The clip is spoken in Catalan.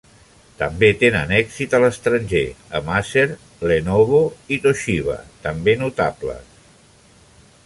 També tenen èxit a l'estranger, amb Acer, Lenovo i Toshiba també notables.